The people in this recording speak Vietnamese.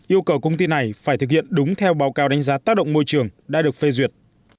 yêu cầu công ty này phải thực hiện đúng theo báo cáo đánh giá tác động môi trường đã được phê duyệt